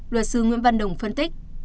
luật sư nguyễn văn đồng phân tích